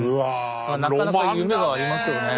なかなか夢がありますよね。